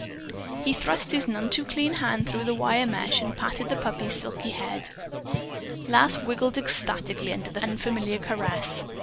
He thrust his none too clean hand through the wire mesh and patted the puppy's silky head. Lass wiggled ecstatically under the unfamiliar caress.